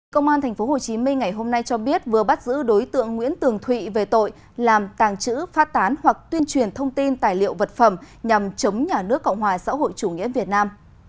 công an tp hcm ngày hôm nay cho biết vừa bắt giữ đối tượng nguyễn tường thụy về tội làm tàng trữ phát tán hoặc tuyên truyền thông tin tài liệu vật phẩm nhằm chống nhà nước cộng hòa xã hội chủ nghĩa việt nam